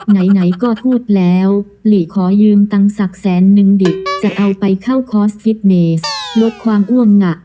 ไหนก็พูดแล้วหลีขอยืมตังค์สักแสนนึงดิจะเอาไปเข้าคอร์สฟิตเนสลดความอ้วงหงะ